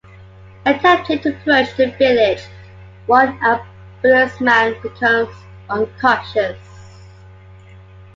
Attempting to approach the village, one ambulanceman becomes unconscious.